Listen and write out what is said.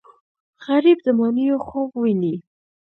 غریب د ماڼیو خوب ویني